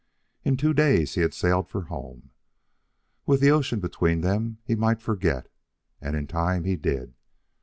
In two days he had sailed for home. With the ocean between them he might forget; and in time he did.